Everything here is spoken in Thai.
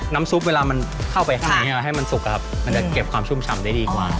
ซุปเวลามันเข้าไปข้างในให้มันสุกครับมันจะเก็บความชุ่มฉ่ำได้ดีกว่า